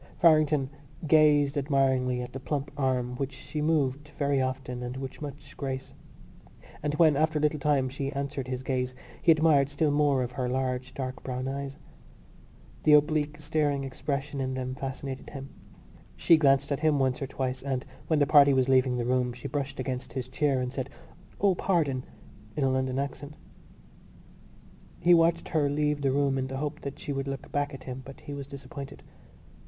Farrington gazed admiringly at the plump arm which she moved very often and with much grace; and when, after a little time, she answered his gaze he admired still more her large dark brown eyes. The oblique staring expression in them fascinated him. She glanced at him once or twice and, when the party was leaving the room, she brushed against his chair and said "O, pardon!" in a London accent. He watched her leave the room in the hope that she would look back at him, but he was disappointed.